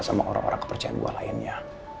sama orang orang kepercayaan gue lainnya